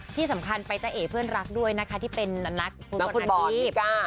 ที่สำคัญไปจะเอเพื่อนรักด้วยนะคะที่เป็นนักคุณผู้นักภีร